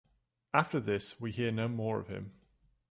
After this we hear no more of him.